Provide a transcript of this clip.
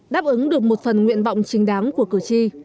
đáp ứng được một phần nguyện vọng chính đáng của cử tri